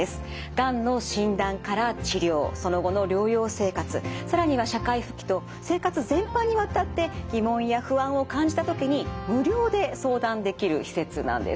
がんの診断から治療その後の療養生活更には社会復帰と生活全般にわたって疑問や不安を感じた時に無料で相談できる施設なんです。